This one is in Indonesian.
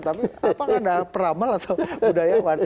tapi apa kan ada yang meramal atau budayawan